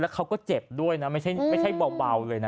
เขาก็เจ็บด้วยนะไม่ใช่เบาเลยนะ